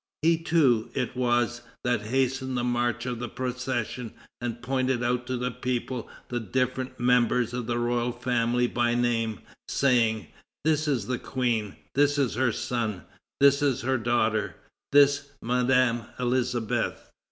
He too, it was, that hastened the march of the procession and pointed out to the people the different members of the royal family by name, saying: "This is the Queen, this is her son, this her daughter, this Madame Elisabeth."